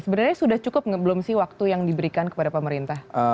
sebenarnya sudah cukup belum sih waktu yang diberikan kepada pemerintah